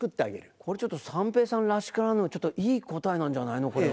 これちょっと三平さんらしからぬいい答えなんじゃないのこれは。